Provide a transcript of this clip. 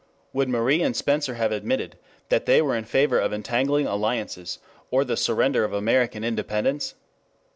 Would Marie and Spencer have admitted that they were in favor of entangling alliances or the surrender of American independence?